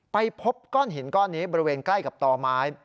ไปพบก้อนหินก้อนนี้บริเวณใกล้กับต่อไม้